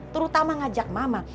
terutama ngajak mama